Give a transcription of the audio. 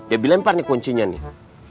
deby lempar kuncinya nih